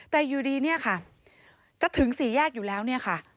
แต่อยู่ดีเนี่ยค่ะจะถึงสี่แยกอยู่แล้วเนี่ยค่ะ